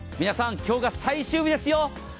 皆さん今日が最終日ですよ！